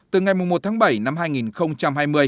từ ngày một tháng bảy năm hai nghìn hai mươi